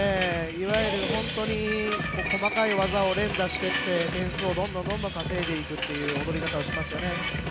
いわゆる、本当に細かい技を連打してって点数をどんどん稼いでいくっていう踊り方をしていますよね。